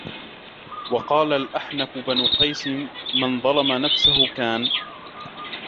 وَقَالَ الْأَحْنَفُ بْنُ قَيْسٍ مَنْ ظَلَمَ نَفْسَهُ كَانَ